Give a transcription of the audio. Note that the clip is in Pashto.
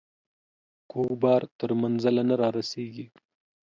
کوږ بار تر منزله نه رارسيږي.